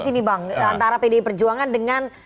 sini bang antara pdi perjuangan dengan